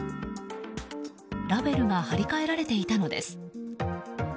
ラベルが貼り替えられていたのです。